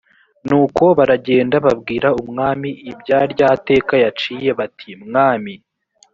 nuko baragenda babwira umwami ibya rya teka yaciye bati mwami